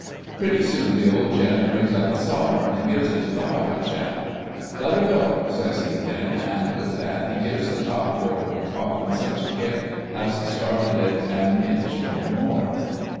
Pretty soon the old gent brings up a sovereign and gives it to the Harvard chap. "'Let her go,' says he then, and with that he gives the top board of the coffin such a kick as started it an inch or more.